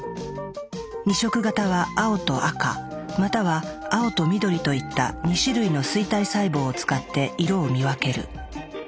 ２色型は青と赤または青と緑といった２種類の錐体細胞を使って色を見分ける。